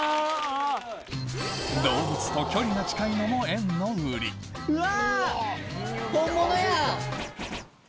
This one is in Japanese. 動物と距離が近いのも園の売りうわ！